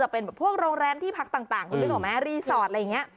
เป็นแบบพวกโรงแรมที่พักต่างคุณนึกออกไหมรีสอร์ทอะไรอย่างนี้